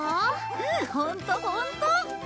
うんホントホント。